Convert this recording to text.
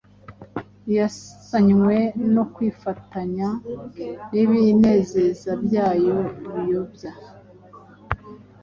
Ntiyazanywe no kwifatanya n’ibinezeza byayo biyobya,